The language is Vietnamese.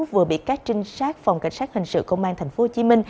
vừa bị các trinh sát phòng cảnh sát hình sự công an tp hcm